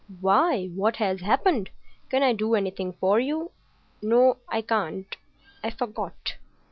"Why, what has happened? Can I do anything for you? No, I can't. I forgot."